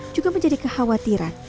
juga menjadi kekhawatiran